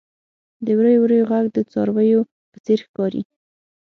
• د وریو وریو ږغ د څارويو په څېر ښکاري.